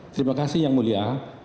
terima kasih yang mulia